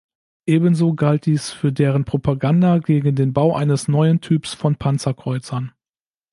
Ebenso galt dies für deren Propaganda gegen den Bau eines neuen Typs von Panzerkreuzern.